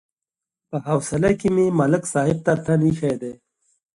په حوصله کې مې ملک صاحب ته تن ایښی دی.